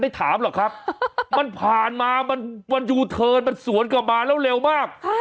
ถามหรอกครับมันผ่านมามันยูเทิร์นมันสวนกลับมาแล้วเร็วมาก